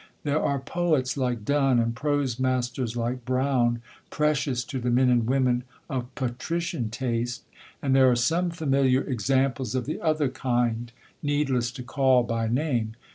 There are poets like Donne, and prose masters like Browne, precious to the men and women of patrician taste; and there are some familiar examples of the other kind, needless to call by name.